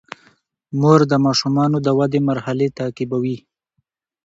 مور د ماشومانو د ودې مرحلې تعقیبوي.